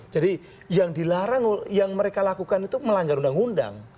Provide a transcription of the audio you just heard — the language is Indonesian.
jadi yang dilarang yang mereka lakukan itu melanggar undang undang